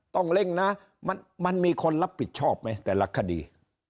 เร่งนะมันมีคนรับผิดชอบไหมแต่ละคดี